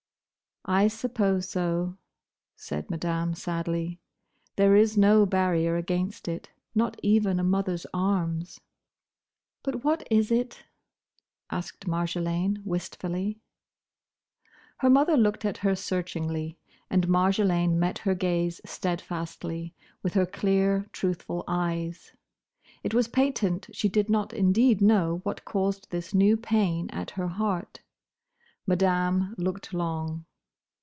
"I suppose so," said Madame, sadly. "There is no barrier against it: not even a mother's arms." "But what is it?" asked Marjolaine, wistfully. Her mother looked at her searchingly, and Marjolaine met her gaze steadfastly, with her clear, truthful eyes. It was patent she did not indeed know what caused this new pain at her heart. Madame looked long.